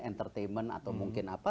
entertainment atau mungkin apa